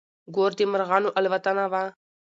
ګور د مرغانو الوتنه وه.